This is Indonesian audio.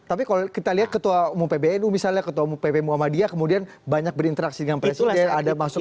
tapi kalau kita lihat ketua umum pbnu misalnya ketua umum pb muhammadiyah kemudian banyak berinteraksi dengan presiden